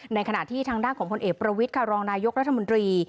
ในขณะที่ทางด้านของพลเอกประวิทย์ค่ะรองนายกรัฐมนตรี